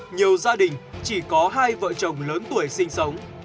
nhiều gia đình chỉ có hai vợ chồng lớn tuổi sinh sống